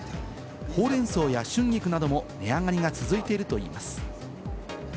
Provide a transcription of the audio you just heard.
ほうれん草や春菊なども値上がりが続いているといいます。